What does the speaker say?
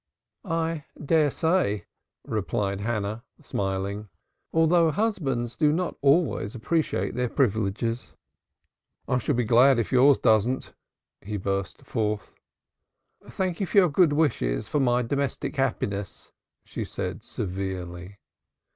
"I dare say," replied Hannah smiling. "Although husbands do not always appreciate their privileges." "I shall be glad if yours doesn't," he burst forth. "Thank you for your good wishes for my domestic happiness," she said severely.